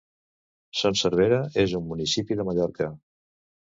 Son Servera és un municipi de Mallorca.